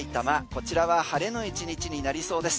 こちらは晴れの１日になりそうです。